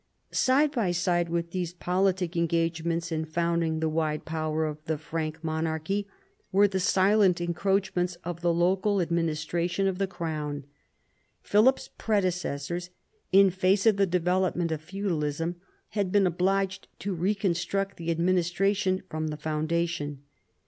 Side by side with these politic engagements in found ing the wide power of the Frank monarchy were the silent encroachments of the local administration of the Crown. Philip's predecessors, in face of the development of feudalism, had been obliged to reconstruct the ad ministration from the foundation.